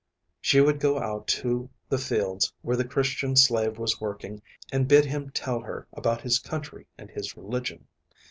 She would go out to the fields where the Christian slave was working and bid him tell her about his country and his religion.